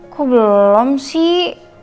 kok belum sih